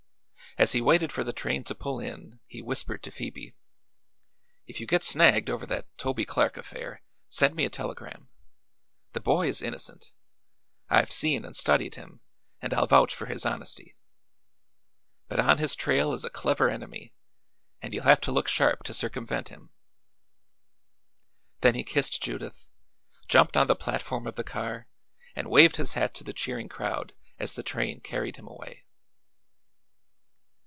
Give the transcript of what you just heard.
As he waited for the train to pull in he whispered to Phoebe: "If you get snagged over that Toby Clark affair, send me a telegram. The boy is innocent. I've seen and studied him, and I'll vouch for his honesty. But on his trail is a clever enemy, and you'll have to look sharp to circumvent him." Then he kissed Judith, jumped on the platform of the car and waved his hat to the cheering crowd as the train carried him away.